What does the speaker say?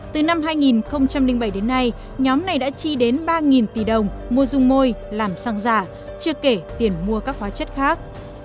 từ năm hai nghìn bảy đến nay nhóm này đã chi đến ba tỷ đồng mua dung môi làm xăng giả chưa kể tiền mua các hóa chất khác